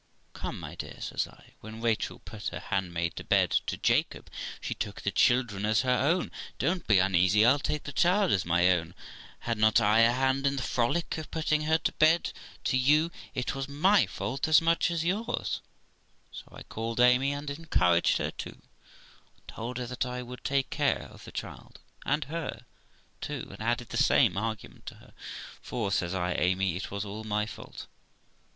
'Come, my dear', says I, ' when Rachel put her handmaid to bed to Jacob, she took the children as her own. Don't be uneasy; I'll take the child as my own. Had not I a hand in the frolic of putting her to bed to you ? It was my fault as much as yours.' So 1 called Amy, and encouraged her too, and told her that I would take care of the child and her too, and added the same argument to her. ' For ', says I, ' Amy, it was all my fault.